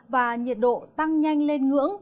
và nhiệt độ tăng nhanh lên ngưỡng